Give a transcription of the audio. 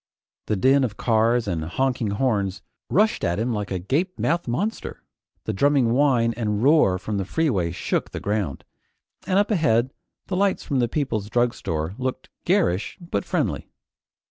The din of cars and honking horns rushed at him like a gape mouthed monster; the drumming whine and roar from the freeway shook the ground, and up ahead the lights of the People's Drugstore looked garish but friendly.